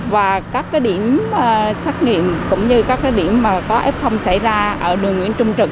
và các điểm xét nghiệm cũng như các điểm có ép không xảy ra ở đường nguyễn trung trực